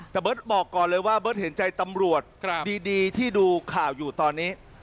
แต่เบิร์ตบอกก่อนเลยว่าเบิร์ตเห็นใจตำรวจดีที่ดูข่าวอยู่ตอนนี้